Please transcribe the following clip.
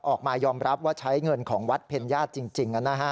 ออกมายอมรับว่าใช้เงินของวัดเพ็ญญาติจริง